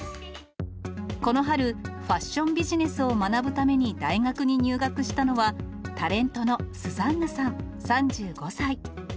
この春、ファッションビジネスを学ぶために大学に入学したのは、タレントのスザンヌさん３５歳。